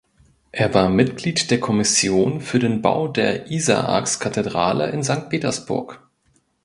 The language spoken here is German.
Er war Mitglied der Kommission für den Bau der Isaakskathedrale in Sankt Petersburg.